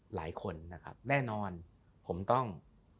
หลายคนนะครับแน่นอนผมต้อง